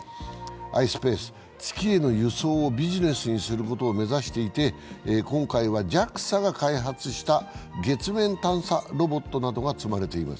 ｉｓｐａｃｅは月への輸送をビジネスにすることを目指していて今回はＪＡＸＡが開発した月面探査ロボットなどが積まれています。